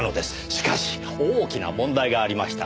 しかし大きな問題がありました。